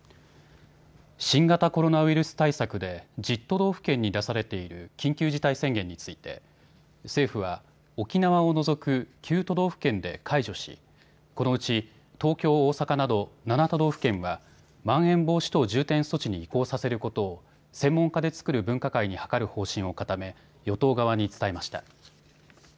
新型コロナウイルス対策で１０都道府県に出されている緊急事態宣言について政府は沖縄を除く９都道府県で解除しこのうち東京、大阪など７都道府県はまん延防止等重点措置に移行させることを専門家で作る分科会に諮る方針を固め与党側に伝えました。